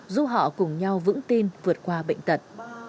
giúp họ cùng nhau vững tin vượt qua bệnh tật